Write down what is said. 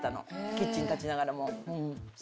キッチン立ちながらもう。